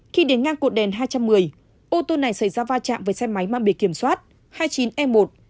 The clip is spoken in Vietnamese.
khi đến ngang cột đèn hai trăm một mươi ô tô này xảy ra va chạm với xe máy mang biển kiểm soát hai mươi chín e một tám mươi tám nghìn bốn trăm bốn mươi tám